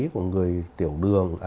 của người tiểu đường